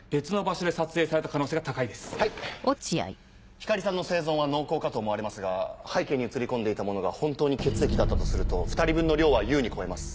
光莉さんの生存は濃厚かと思われますが背景に写り込んでいたものが本当に血液だったとすると２人分の量は優に超えます。